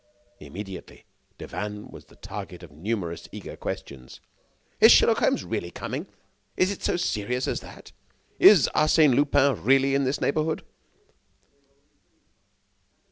Immediately, Devanne was the target of numerous eager questions. "Is Sherlock Holmes really coming?" "Is it so serious as that?" "Is Arsène Lupin really in this neighborhood?"